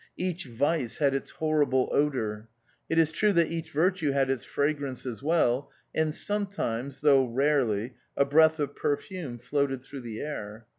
Each vice had its horrible odour. It is true that each virtue had its fragrance as well, and sometimes, though rarely, a breath of perfume floated through the air.